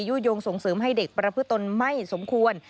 โยงส่งเสริมให้เด็กประพฤตนไม่สมควร